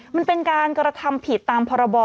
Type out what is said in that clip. มันเป็นการกระทำผิดตามพรบ